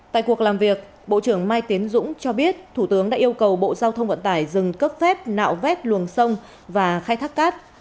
tại cuộc làm việc bộ trưởng mai tiến dũng cho biết thủ tướng đã yêu cầu bộ giao thông vận tải dừng cấp phép nạo vét luồng sông và khai thác cát